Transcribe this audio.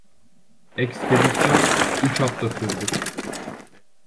Ekspedisyon üç hafta sürdü.